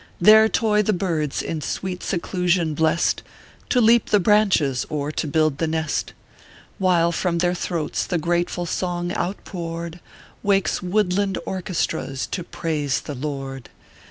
" There toy the birds in sweet seclusion blest, To leap the branches or to build the nest, "While from their throats the grateful song outpoured "Wakes woodland orchestras to praise the Lord.